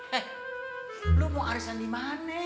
eh lu mau arisan di mana